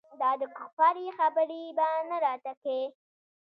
دا دکفارو خبرې به نه راته کيې.